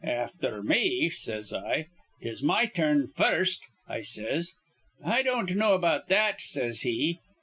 'Afther me,' says I. ''Tis my turn first,' I says. 'I don't know about that,' says he.